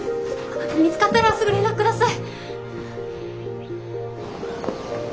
見つかったらすぐ連絡下さい。